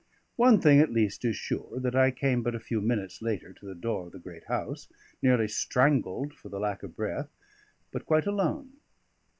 One thing at least is sure, that I came but a few minutes later to the door of the great house, nearly strangled for the lack of breath, but quite alone.